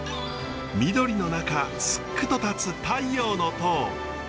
緑の中すっくと立つ太陽の塔。